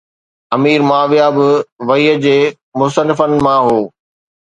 امير معاويه به وحي جي مصنفن مان هو